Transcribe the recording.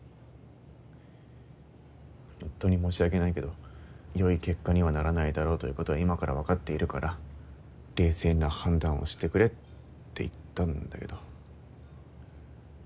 ホントに申し訳ないけど良い結果にはならないだろうということは今から分かっているから冷静な判断をしてくれって言ったんだけど。